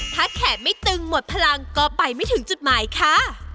ถ้าแขกไม่ตึงหมดพลังก็ไปไม่ถึงจุดหมายค่ะ